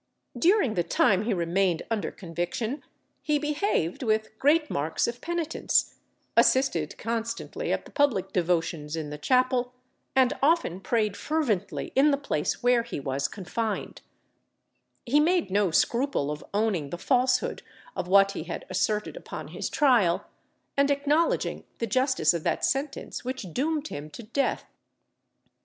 During the time he remained under conviction, he behaved with great marks of penitence, assisted constantly at the public devotions in the chapel, and often prayed fervently in the place where he was confined; he made no scruple of owning the falsehood of what he had asserted upon his trial, and acknowledging the justice of that sentence which doomed him to death.